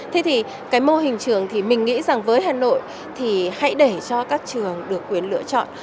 thế thì cái mô hình trường thì mình nghĩ rằng với hà nội thì hãy để cho các trường được quyền lựa chọn